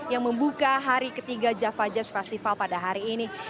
yang membuka hari ketiga java jazz festival pada hari ini